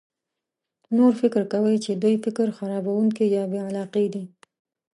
نور فکر کوي چې دوی فکر خرابونکي یا بې علاقه دي.